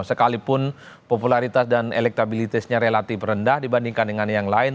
sekalipun popularitas dan elektabilitasnya relatif rendah dibandingkan dengan yang lain